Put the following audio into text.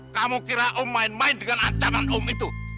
kamu kira om main main dengan ancaman om itu